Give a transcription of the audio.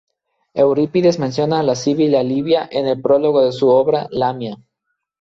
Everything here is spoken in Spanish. Eurípides menciona a la sibila libia en el prólogo de su obra "Lamia".